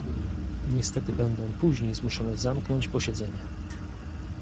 Niestety będę później zmuszony zamknąć posiedzenie